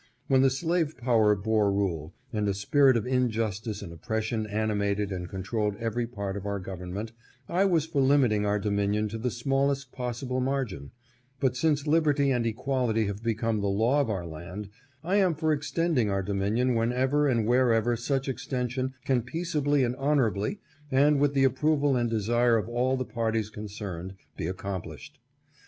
When the slave power bore rule, and a spirit of injustice and oppression animated and controlled every part of our government, I was for limiting our dominion to the smallest possible margin ; but since liberty and equality have become the law of our land, I am for ex tending our dominion whenever and wherever such ex tension can peaceably and honorably, and with the approval and desire of all the parties concerned, be ac complished.